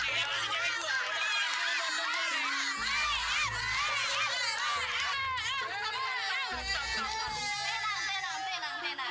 eh si eh